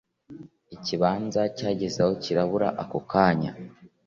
Ikibanza cyagezeho kirabura ako kanya